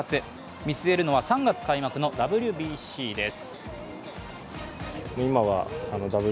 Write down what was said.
見据えるのは３月開幕のＷＢＣです。